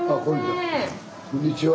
こんにちは。